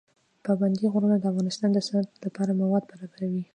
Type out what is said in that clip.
پابندی غرونه د افغانستان د صنعت لپاره مواد برابروي.